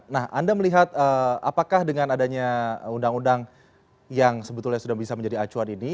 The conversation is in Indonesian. nah anda melihat apakah dengan adanya undang undang yang sebetulnya sudah bisa menjadi acuan ini